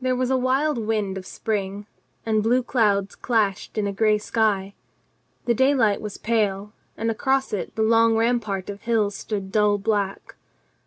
There was a wild wind of spring, and blue clouds clashed in a gray sky. The daylight was pale, and across it the long rampart of hills stood dull black.